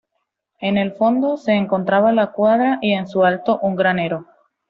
En el fondo se encontraba la cuadra y en su alto un granero.